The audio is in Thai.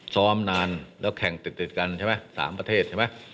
ส้อมนานแล้วแข่งติดกัน๓ประเทศ